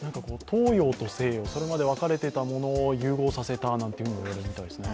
東洋と西洋、それまで分かれていたものを融合させたなんていうふうにも言われるみたいですね。